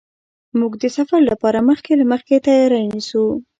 موږ د سفر لپاره مخکې له مخکې تیاری نیسو.